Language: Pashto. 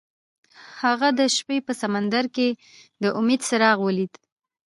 هغه د شپه په سمندر کې د امید څراغ ولید.